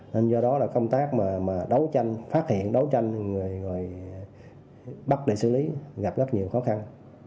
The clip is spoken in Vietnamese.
nên do đó công tác phát hiện đấu tranh người bắt để xử lý gặp rất nhiều khó khăn